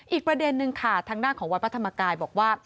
อีกประเด็นนึงค่ะทางด้านของวัดพระธรรมกายบอกว่า